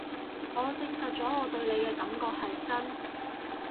我證實咗我對你嘅感覺係真